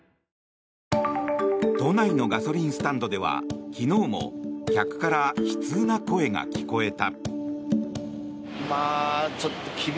都内のガソリンスタンドでは昨日も客から悲痛な声が聞かれた。